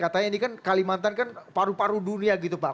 katanya ini kan kalimantan kan paru paru dunia gitu pak